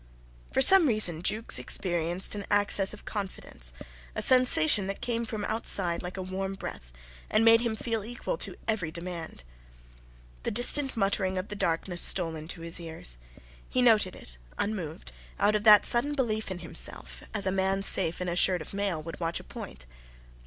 For some reason Jukes experienced an access of confidence, a sensation that came from outside like a warm breath, and made him feel equal to every demand. The distant muttering of the darkness stole into his ears. He noted it unmoved, out of that sudden belief in himself, as a man safe in a shirt of mail would watch a point.